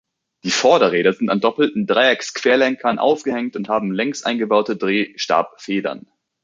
Die Vorderräder sind an doppelten Dreiecksquerlenkern aufgehängt und haben längs eingebaute Drehstabfedern.